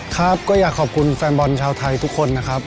ครับก็อยากขอบคุณแฟนบอลชาวไทยทุกคนนะครับ